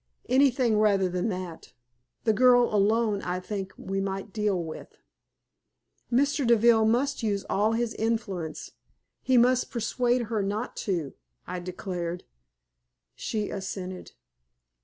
Anything rather than that! The girl alone I think we might deal with." "Mr. Deville must use all his influence. He must persuade her not to," I declared. She assented.